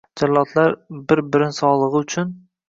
Jallodlar bir-birin sogʻligʻi uchun